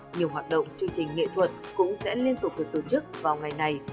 nhiều hoạt động chương trình nghệ thuật cũng sẽ liên tục được tổ chức vào ngày này